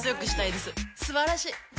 すばらしい！